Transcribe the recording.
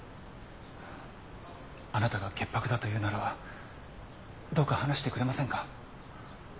あなたが潔白だと言うならどうか話してくれませんか？